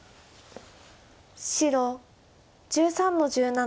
白１３の十七。